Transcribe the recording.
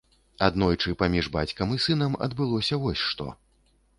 Аднойчы паміж бацькам і сынам адбылося вось што.